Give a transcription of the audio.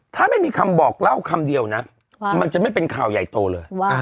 ถ้าไม่มีคำบอกเล่าคำเดียวนะมันจะไม่เป็นข่าวใหญ่โตเลย